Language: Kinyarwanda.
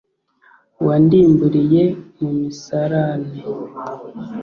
wandimburiye mu misarane